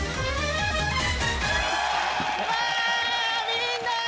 うわみんな！